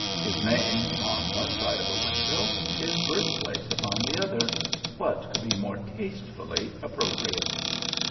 His name on one side of a window, his birthplace upon the other—what could be more tastefully appropriate?